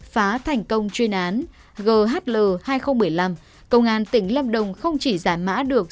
phá thành công chuyên án ghl hai nghìn một mươi năm công an tỉnh lâm đồng không chỉ giả mã được